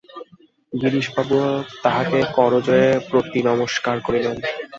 গিরিশবাবুও তাঁহাকে করজোড়ে প্রতিনমস্কার করিলেন।